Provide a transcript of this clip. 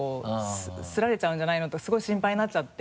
すられちゃうんじゃないの？ってすごい心配になっちゃって。